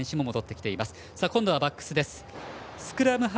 今度はバックスです。